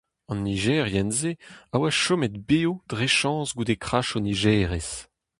An nijerien-se a oa chomet bev dre chañs goude krach o nijerez.